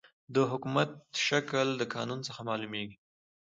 د حکومت شکل د قانون څخه معلوميږي.